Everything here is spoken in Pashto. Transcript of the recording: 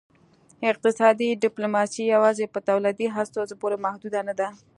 اقتصادي ډیپلوماسي یوازې په دولتي استازو پورې محدوده نه ده